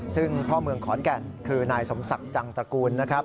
ซึ่งพ่อเมืองขอนแก่นคือนายสมศักดิ์จังตระกูลนะครับ